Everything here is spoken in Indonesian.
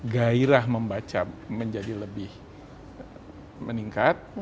gairah membaca menjadi lebih meningkat